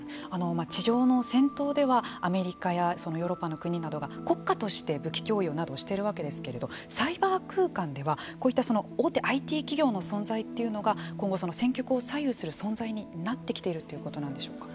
地上の戦闘ではアメリカやそのヨーロッパの国などが国家として武器供与などをしているわけですけれどサイバー空間では、こういったその大手ＩＴ企業の存在というのが今後、その戦局を左右する存在になってきているということなんでしょうか。